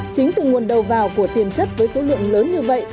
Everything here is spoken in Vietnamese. chính từ nguồn đầu vào của tiền chất với số lượng lớn như vậy